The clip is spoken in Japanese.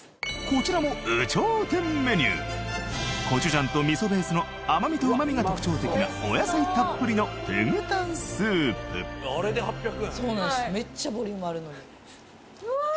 こちらも有頂天メニューコチュジャンと味噌ベースの甘みとうまみが特徴的なお野菜たっぷりのテグタンスープうわー！